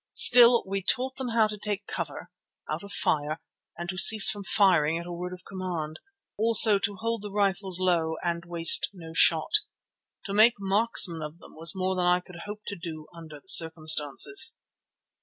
Still we taught them how to take cover, how to fire and to cease from firing at a word of command, also to hold the rifles low and waste no shot. To make marksmen of them was more than I could hope to do under the circumstances.